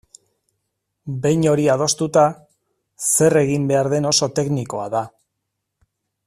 Behin hori adostuta, zer egin behar den oso teknikoa da.